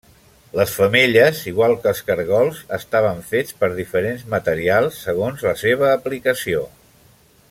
Les femelles igual què els caragols, estaven fets per diferents materials, segons la seva aplicació.